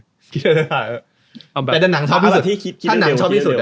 แต่ถ้านังชอบชอบที่อยู่สุด